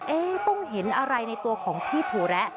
ต้องเห็นอะไรในตัวของพี่ถั่วแระ